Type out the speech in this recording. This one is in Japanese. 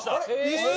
一緒？